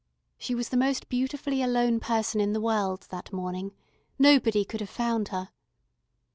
She was the most beautifully alone person in the world that morning; nobody could have found her.